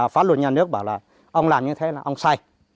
pháp luật nhà nước bảo là ông làm như thế là ông sai